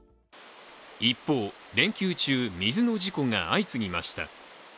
一方、連休中、水の事故が相次ぎました。